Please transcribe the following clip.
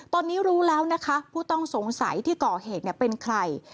ตอนนี้รู้แล้วนะคะผู้ต้องสงสัยที่ก่อเหตุเป็นใคร